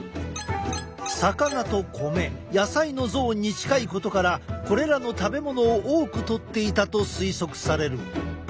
魚と米野菜のゾーンに近いことからこれらの食べ物を多くとっていたと推測される。